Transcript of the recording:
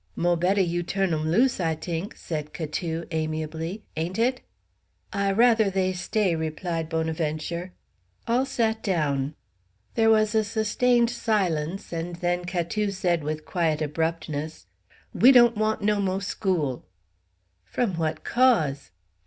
"Mo' betteh you tu'n 'em loose, I t'ink," said Catou amiably; "ain't it?" "I rather they stay," replied Bonaventure. All sat down. There was a sustained silence, and then Catou said with quiet abruptness: "We dawn't want no mo' school!" "From what cause?"